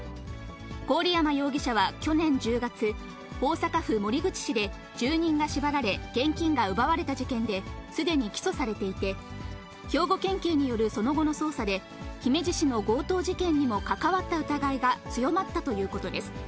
郡山容疑者は去年１０月、大阪府守口市で、住人が縛られ、現金が奪われた事件で、すでに起訴されていて、兵庫県警によるその後の捜査で、姫路市の強盗事件にも関わった疑いが強まったということです。